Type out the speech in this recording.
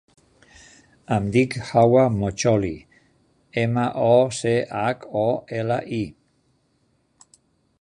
Em dic Hawa Mocholi: ema, o, ce, hac, o, ela, i.